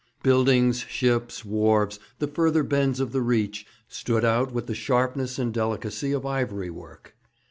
Buildings, ships, wharves, the further bends of the Reach, stood out with the sharpness and delicacy of ivory work.